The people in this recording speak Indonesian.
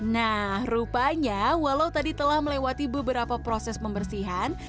nah rupanya walau tadi telah melewati beberapa proses pembersihan